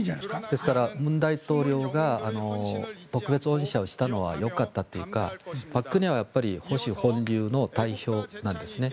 ですから文大統領が特別恩赦をしたのはよかったというか、朴槿惠は保守本流の代表なんですね。